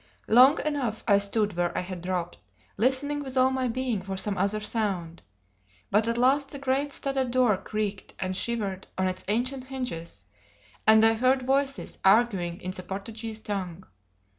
Long enough I stood where I had dropped, listening with all my being for some other sound; but at last that great studded door creaked and shivered on its ancient hinges, and I heard voices arguing in the Portuguese tongue.